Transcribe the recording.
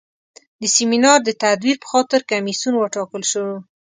د سیمینار د تدویر په خاطر کمیسیون وټاکل شو.